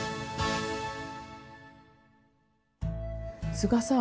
須賀さん